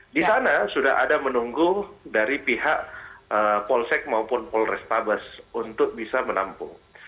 di sana sudah ada menunggu dari pihak polsek maupun polrestabes untuk bisa menampung